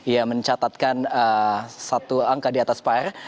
ia mencatatkan satu angka di atas pr